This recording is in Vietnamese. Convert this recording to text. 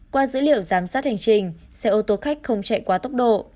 qua dữ liệu giám sát hành trình xe ô tô khách không chạy quá tốc độ